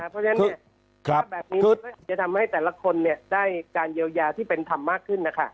เพราะฉะนั้นภาพแบบนี้จะทำให้แต่ละคนได้การเยียวยาที่เป็นธรรมมากขึ้นนะคะ